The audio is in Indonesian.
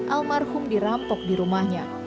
almarhum dirampok di rumahnya